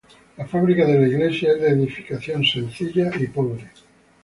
La fábrica de la iglesia es de edificación sencilla y pobre.